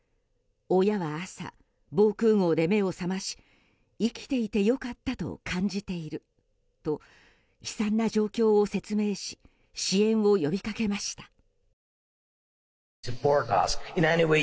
親は朝、防空壕で目を覚まし生きていて良かったと感じていると悲惨な状況を説明し支援を呼びかけました。